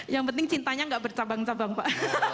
yang penting cintanya gak bercabang cabang pak